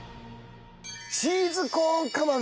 チーズコーン釜飯です。